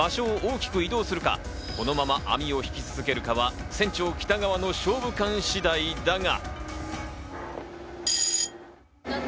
場所を大きく移動するか、このまま網を引き続けるかは船長・北川の勝負勘次第だが。